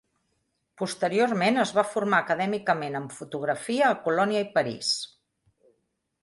Posteriorment, es va formar acadèmicament en fotografia a Colònia i a París.